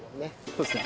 そうですね。